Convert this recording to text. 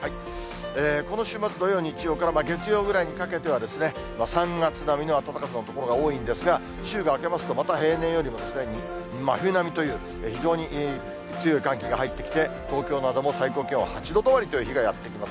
この週末、土曜、日曜から月曜ぐらいにかけては、３月並みの暖かさの所が多いんですが、週が明けますとまた平年よりも、真冬並みという、非常に強い寒気が入ってきて、東京なども最高気温８度止まりという日がやって来ます。